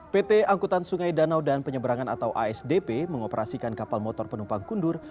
pt angkutan sungai danau dan penyeberangan atau asdp mengoperasikan kapal motor penumpang kundur